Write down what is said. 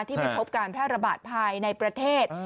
ไม่พบการแพร่ระบาดภายในประเทศ